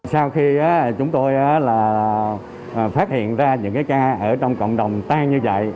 sau khi chúng tôi phát hiện ra những cái ca ở trong cộng đồng tan như vậy